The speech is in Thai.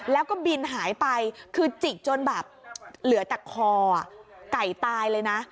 แล้วก็บินหายไปคือจิกจนแบบเหลือแต่คอไก่ตายเลยนะ